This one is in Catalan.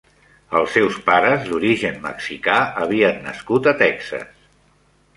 Els seus pares, d'origen mexicà, havien nascut a Texas.